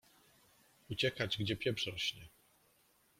Uciekać, gdzie pieprz rośnie!